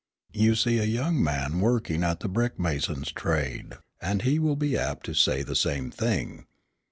You see a young man working at the brick mason's trade, and he will be apt to say the same thing.